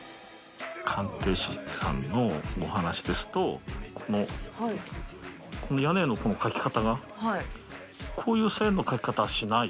鑑定士さんのお話ですと、もう、この屋根のこの書き方がこういう線の描き方はしない。